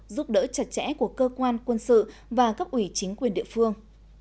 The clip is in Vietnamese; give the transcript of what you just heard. giúp đỡ chặt chẽ của cơ quan quân sự và cấp ủy chính quyền địa phương